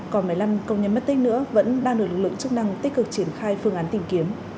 còn một mươi năm công nhân mất tích nữa vẫn đang được lực lượng chức năng tích cực triển khai phương án tìm kiếm